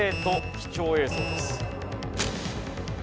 貴重映像です。